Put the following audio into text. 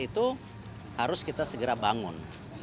itu harus kita segera bangun